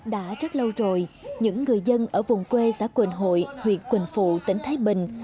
đã rất lâu rồi những người dân ở vùng quê xã quỳnh hội huyện quỳnh phụ tỉnh thái bình